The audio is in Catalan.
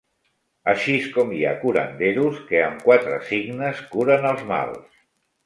Axis com hi ha curanderos que am quatre signes curen els mals